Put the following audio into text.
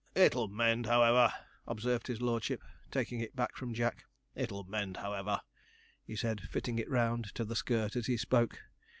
'It'll mend, however,' observed his lordship, taking it back from Jack; 'it'll mend, however,' he said, fitting it round to the skirt as he spoke.